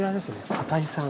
畠井さん。